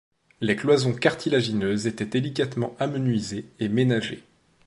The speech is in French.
Les cloisons cartilagineuses étaient délicatement amenuisées et ménagées.